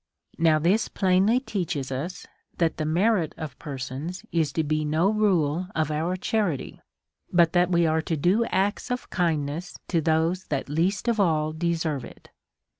Now, this plainly teaches us that the merits of per sons are to he no rule of our charity, but that we are to do acts of kindness to those that least of all deserve them.